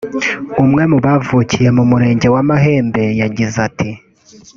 umwe mu bavukiye mu murenge wa Mahembe yagize ati